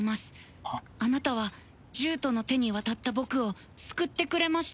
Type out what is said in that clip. あなたは獣人の手に渡った僕を救ってくれました。